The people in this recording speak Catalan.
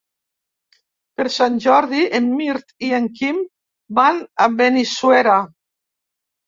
Per Sant Jordi en Mirt i en Quim van a Benissuera.